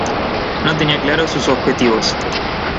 No tenía claro sus objetivos.